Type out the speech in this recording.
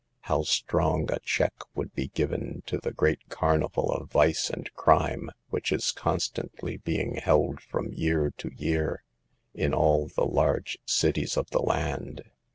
How strong a check would be given to the great carnival of vice and crime which is constantly being held from year to year, in all the large cities of the land!